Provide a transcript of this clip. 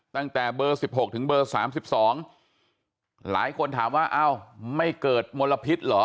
ตั้งแต่เบอร์๑๖ถึงเบอร์๓๒หลายคนถามว่าอ้าวไม่เกิดมลพิษเหรอ